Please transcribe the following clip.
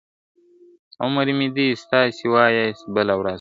عُمر مي دي ستاسی، وايي بله ورځ,